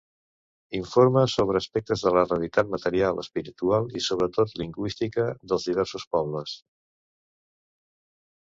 Informe sobre aspectes de la realitat material, espiritual i, sobretot, lingüística dels diversos pobles.